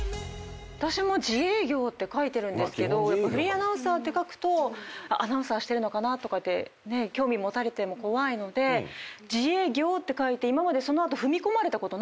私も自営業って書いてるんですがフリーアナウンサーって書くとアナウンサーしてるのかなとかってね興味持たれても怖いので自営業って書いて今までその後踏み込まれたことないんですよ。